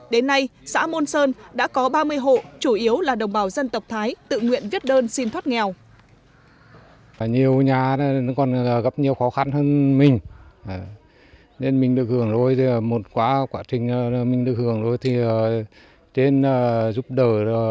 đến nay xã môn sơn đã có ba mươi hộ chủ yếu là đồng bào dân tộc thái tự nguyện viết đơn xin thoát nghèo